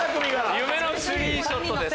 夢のスリーショットです。